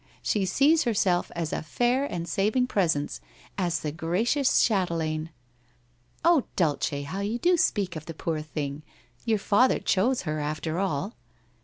she sees herself as a fair and saving presence — as the gracious chatelaine !'' Oh, Dulce, how you do speak of the poor thing ! Your father chose her after all